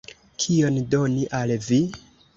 Kion doni al vi?